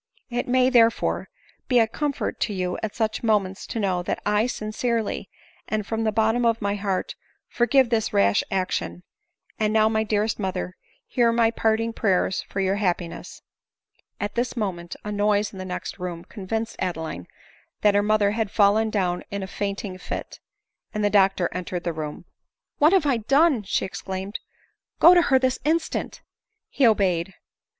" It may, therefore, be a coipfort to you at such moments to know that 1 sincerely, and from the bottom of my heart, forgive this rash action ; and now, my dearest mother, hear my parting prayers for your hap piness !" At this moment a noise in the next room convinced Adeline that her mother, had fallen down in a fainting fit, and the doctor entered the room. I.,, 1 1 — j j y ADELINE MOWBRAY. 129 " What have I done ?" she exclaimed. " Go to her this instant." He obeyed.